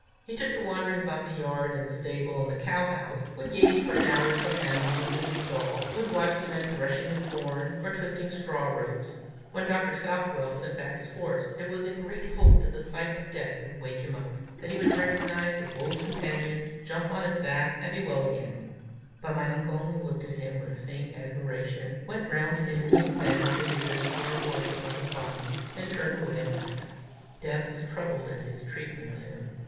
He took to wandering about the yard and the stable and the cow house; would gaze for an hour at some animal in its stall; would watch the men threshing the corn, or twisting straw ropes. When Dr. Southwell sent back his horse, it was in great hope that the sight of Death would wake him up; that he would recognize his old companion, jump on his back, and be well again; but my uncle only looked at him with a faint admiration, went round him and examined him as if he were a horse he thought of buying, then turned away and left him. Death was troubled at his treatment of him.